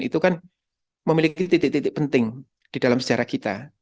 itu kan memiliki titik titik penting di dalam sejarah kita